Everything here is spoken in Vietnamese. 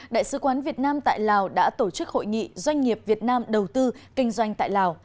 đại sứ quán việt nam tại lào đã tổ chức hội nghị doanh nghiệp việt nam đầu tư kinh doanh tại lào